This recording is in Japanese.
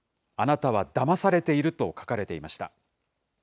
あなたはだまされていると書かれていました。